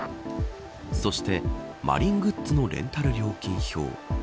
そして、マリングッズのレンタル料金表。